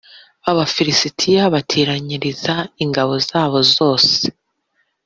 abafilisitiya bateraniriza ingabo zabo zose